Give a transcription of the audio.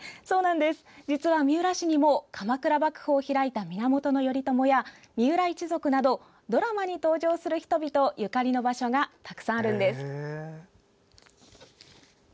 実は三浦市にも鎌倉幕府を開いた源頼朝や、三浦一族などドラマに登場する人々ゆかりの場所がたくさんあるんです。